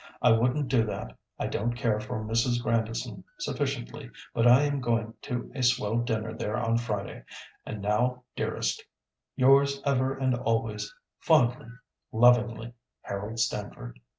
I wouldn't do that. I don't care for Mrs. Grandison sufficiently; but I am going to a swell dinner there on Friday. And now, dearest, yours ever and always, fondly, lovingly, HAROLD STAMFORD."